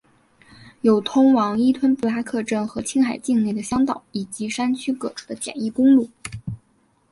有通往依吞布拉克镇和青海境内的乡道以及山区各处的简易公路。